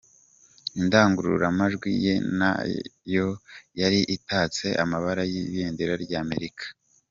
Indangururamajwi ye nayo yari itatse amabara y’ibindera rya Amerika.